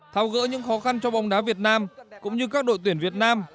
thao gỡ những khó khăn cho bóng đá việt nam cũng như các đội tuyển việt nam